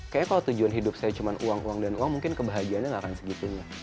kayaknya kalo tujuan hidup saya cuma uang uang dan uang mungkin kebahagiaannya gak akan segituin lah